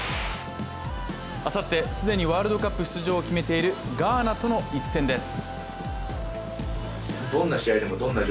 明後日、既にワールドカップ出場を決めているガーナとの一戦です。